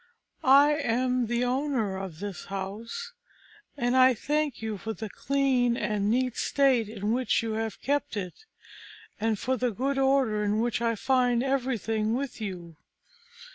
I am the owner of this house, and I thank you for the clean and neat state in which you have kept it, and for the good order in which I find everything with you.